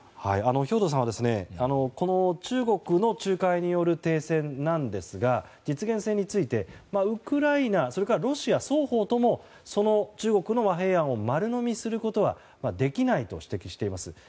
兵頭さんはこの中国の仲介による停戦なんですが実現性についてウクライナ、ロシア双方とも中国の和平案を丸のみすることはできないと指摘しています。